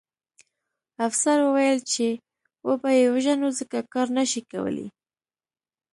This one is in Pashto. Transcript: افسر وویل چې وبه یې وژنو ځکه کار نه شي کولی